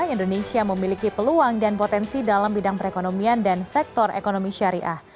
indonesia memiliki peluang dan potensi dalam bidang perekonomian dan sektor ekonomi syariah